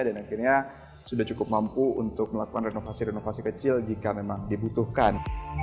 dan akhirnya sudah cukup mampu untuk melakukan renovasi renovasi kecil jika memang dibutuhkan